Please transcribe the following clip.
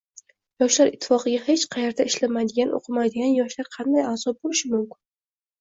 yoshlar ittifoqiga hech qayerda ishlamaydigan o‘qimaydigan yoshlar qanday a'zo bo'lishi mumkin?